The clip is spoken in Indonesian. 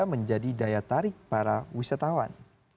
menjadi daya tarik para wisatawan